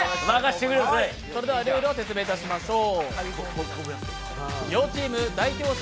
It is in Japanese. それではルールを説明いたしましょう。